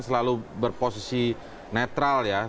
selalu berposisi netral ya